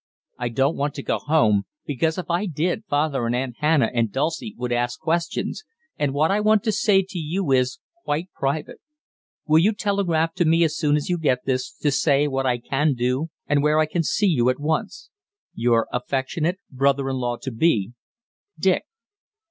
I don't want to go home, because if I did father and Aunt Hannah and Dulcie would ask questions, and what I want to say to you is quite private. Will you telegraph to me as soon as you get this to say what I can do and where I can see you at once? "Your affectionate brother in law to be, "DICK."